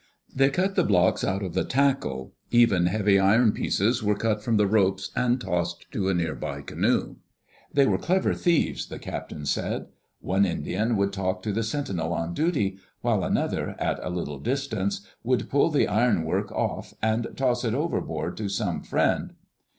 They cut the blocks out of the tackle; even heavy iron pieces were cut from the ropes and tossed to a near by canoe. Digitized by CjOOQ IC EARLY DAYS IN OLD OREGON They were clever thieves, the captain said. One Indian would talk to the sentinel on duty, while another, at a little distance, would pull the ironwork off and toss it overboard to some friend.